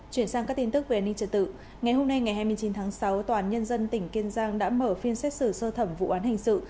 chuyển sang các tin tức về an ninh trật tự ngày hôm nay ngày hai mươi chín tháng sáu tòa án nhân dân tỉnh kiên giang đã mở phiên xét xử sơ thẩm vụ án hình sự